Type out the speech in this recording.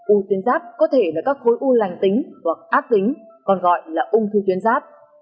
u tuyến giáp có thể là các khối u lành tính hoặc ác tính còn gọi là ung thư tuyến giáp